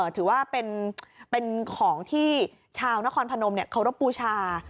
ถือว่าเป็นของที่ชาวนครพนมเนี่ยโครบปูชา